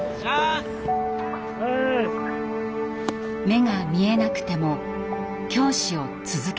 目が見えなくても教師を続けたい。